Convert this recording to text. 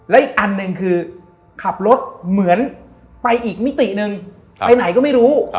และอีกอันหนึ่งคือขับรถเหมือนไปอีกมิติหนึ่งไปไหนก็ไม่รู้